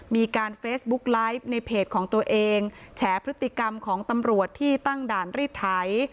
มีการเฟซบุ๊กไลฟ์ในเพจของตัวเองแฉพฤติกรรมของตำรวจที่ตั้งด่านรีดไถ